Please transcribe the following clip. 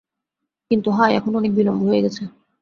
কিন্তু হায়, এখন অনেক বিলম্ব হয়ে গেছে।